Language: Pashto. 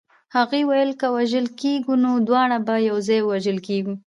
هغې ویل که وژل کېږو نو دواړه به یو ځای وژل کېږو